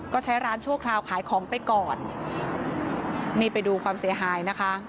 ก็ใช้ร้านชั่วคราวขายของไปก่อนนี่ไปดูความเสียหายนะคะ